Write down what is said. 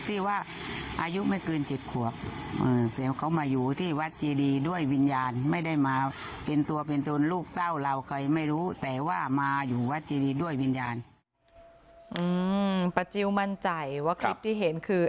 แต่ว่ามาอยู่วัดจิริย์ด้วยวิญญาณอืมปะจิ๊วมั่นใจว่าคลิปที่เห็นคือ